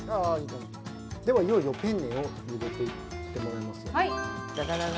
では、いよいよペンネをゆでていってもらいます。